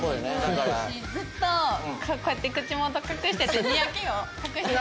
ずっとこうやって口元隠しててニヤけを隠してる。